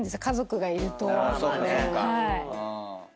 家族がいると。